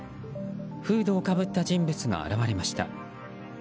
フードをかぶった人物が現れました。